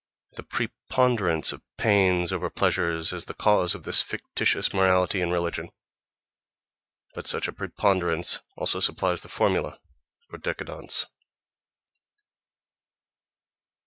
The preponderance of pains over pleasures is the cause of this fictitious morality and religion: but such a preponderance also supplies the formula for décadence....